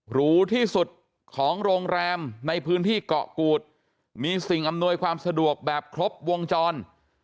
หรูที่สุดของโรงแรมในพื้นที่เกาะกูดมีสิ่งอำนวยความสะดวกแบบครบวงจร